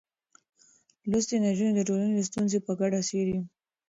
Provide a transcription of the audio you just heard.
لوستې نجونې د ټولنې ستونزې په ګډه څېړي.